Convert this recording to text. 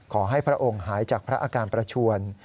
พระองค์หายจากพระอาการประชวน